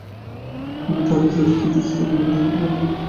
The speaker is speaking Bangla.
আমিও তাহাদের সহিত যোগ দিতে চেষ্টা করিলাম, ভিড়ের জন্য পারিলাম না।